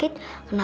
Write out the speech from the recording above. ada komen atau